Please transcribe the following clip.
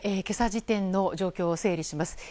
今朝時点の状況を整理します。